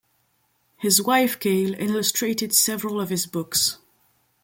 His wife Gail illustrated several of his books.